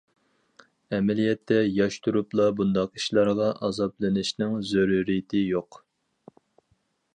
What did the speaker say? ئەمەلىيەتتە، ياش تۇرۇپلا بۇنداق ئىشلارغا ئازابلىنىشنىڭ زۆرۈرىيىتى يوق.